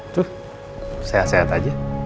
tuh sehat sehat aja